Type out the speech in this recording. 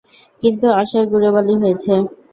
কিন্তু আশায় গুড়ে বালি হয়েছে।